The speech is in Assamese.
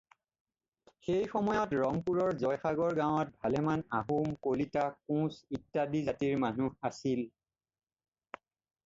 এই সময়ত ৰংপুৰৰ জয়সাগৰ গাঁৱত ভালেমান আহোম, কলিতা, কোঁচ ইত্যাদি জাতিৰ মানুহ আছিল।